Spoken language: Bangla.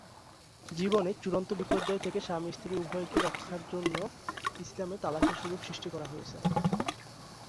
জীবনে চূড়ান্ত বিপর্যয় থেকে স্বামী স্ত্রী উভয়কে রক্ষার জন্য ইসলামে তালাকের সুযোগ সৃষ্টি করা হয়েছে।